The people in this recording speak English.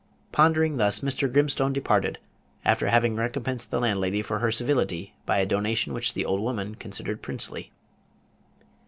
Pondering thus, Mr. Grimstone departed, after having recompensed the landlady for her civility by a donation which the old woman considered princely.